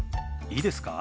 いいですか？